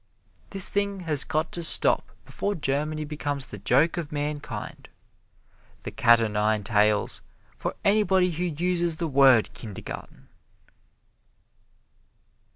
This thing has got to stop before Germany becomes the joke of mankind the cat o' nine tails for anybody who uses the word kindergarten!